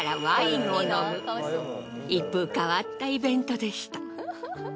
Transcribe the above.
一風変わったイベントでした。